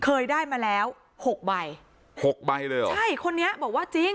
เคยได้มาแล้วหกใบหกใบเลยเหรอใช่คนนี้บอกว่าจริง